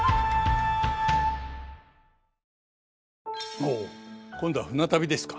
ほう今度は船旅ですか。